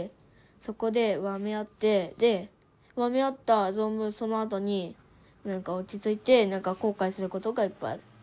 そこでわめあってでわめあった存分そのあとに何か落ち着いて何か後悔することがいっぱいある。